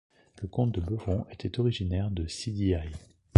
Le comte de Beuvron était originaire de Sidiailles.